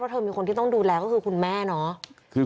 เพราะมีคนที่ต้องดูแลคุณแม่เนาะ